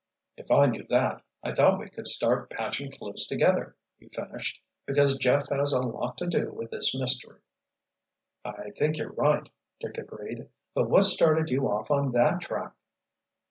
"If I knew that, I thought we could start patching clues together," he finished. "Because Jeff has a lot to do with this mystery." "I think you're right," Dick agreed. "But what started you off on that track?"